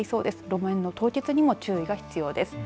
路面の凍結にも注意が必要です。